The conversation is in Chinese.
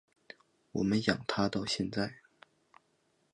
我们养他长大到现在